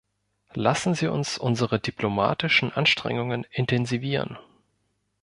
Lassen Sie uns unsere diplomatischen Anstrengungen intensivieren.